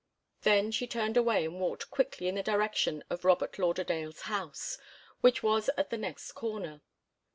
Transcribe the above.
Then she turned away and walked quickly in the direction of Robert Lauderdale's house, which was at the next corner.